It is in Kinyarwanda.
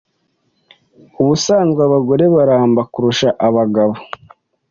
Ubusanzwe abagore baramba kurusha abagabo.